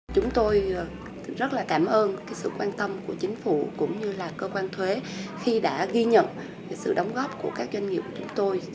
chúng tôi rất là cảm ơn sự quan tâm của chính phủ cũng như là cơ quan thuế khi đã ghi nhận sự đóng góp của các doanh nghiệp của chúng tôi